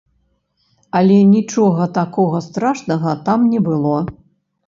Але нічога такога страшнага там не было.